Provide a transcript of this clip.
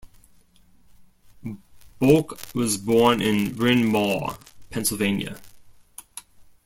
Bok was born in Bryn Mawr, Pennsylvania.